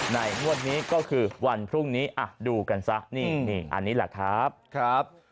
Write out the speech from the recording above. งวดนี้ก็คือวันพรุ่งนี้ดูกันซะนี่อันนี้แหละครับ